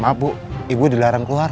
maaf ibu dilarang keluar